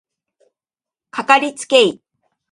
かかりつけ医